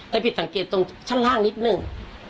แต่ผิดสังเกตตรงชั้นล่างนิดหนึ่ง